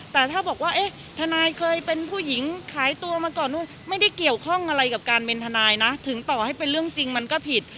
แต่ถ้าบอกว่าเอ๊ะทนายเคยเป็นผู้หญิงขายตัวมาก่อนนู่นไม่ได้เกี่ยวข้องอะไรกับการเป็นทนายนะถึงต่อให้เป็นเรื่องจริงมันก็ผิด